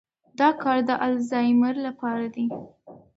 دا کار د الزایمر لپاره دی.